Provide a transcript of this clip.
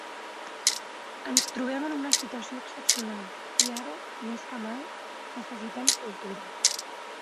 Ens trobem en una situació excepcional i ara, més que mai, necessitem cultura.